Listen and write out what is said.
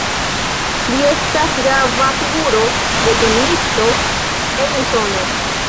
Li estas grava figuro de kemiistoj en Usono.